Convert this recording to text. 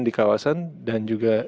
di kawasan dan juga